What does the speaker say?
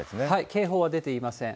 警報は出ていません。